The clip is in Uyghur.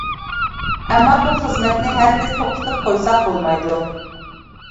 ئەمما بۇ خىزمەتنى ھەرگىز توختىتىپ قويساق بولمايدۇ.